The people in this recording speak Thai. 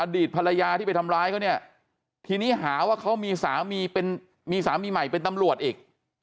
ดีตภรรยาที่ไปทำร้ายเขาเนี่ยทีนี้หาว่าเขามีสามีเป็นมีสามีใหม่เป็นตำรวจอีก